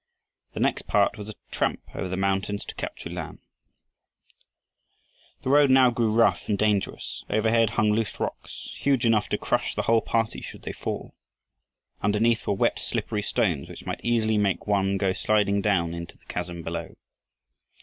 The next part was a tramp over the mountains to Kap tsu lan. The road now grew rough and dangerous. Overhead hung loose rocks, huge enough to crush the whole party should they fall. Underneath were wet, slippery stones which might easily make one go sliding down into the chasm below.